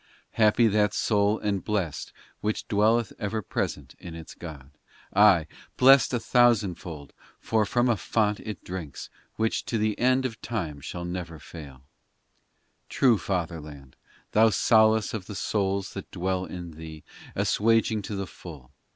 IV Happy that soul and blest Which dwelleth ever present with its God ! Aye, blest a thousandfold, For from a fount it drinks Which to the end of time shall never fail ! True fatherland 1 Thou solace of the souls that dwell in thee, Assuaging to the full